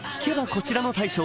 こちらの大将